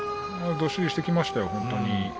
どっしりしてましたね。